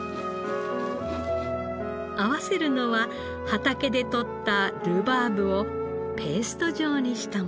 合わせるのは畑でとったルバーブをペースト状にしたもの。